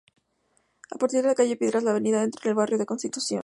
A partir de la calle Piedras, la avenida entra al barrio de Constitución.